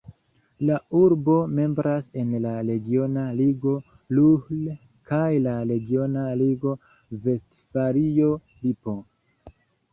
La urbo membras en la regiona ligo Ruhr kaj la regiona ligo Vestfalio-Lipo.